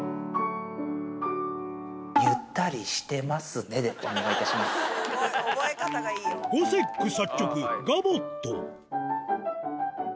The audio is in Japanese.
ゆったりしてマスネで、ゴセック作曲、ガヴォット。